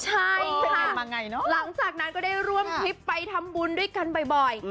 ใช่หลังจากนั้นก็ได้ร่วมทริปไปทำบุญด้วยกันบ่อย